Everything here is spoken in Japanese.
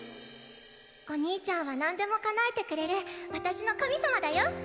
お兄ちゃんは何でも叶えてくれる私の神様だよ